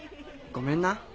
ごめんな。